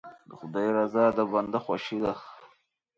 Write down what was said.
د خدای رضا د بنده خوښي ده.